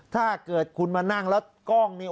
ถ้าเกิดคุณมานั่งแล้วกล้องนี้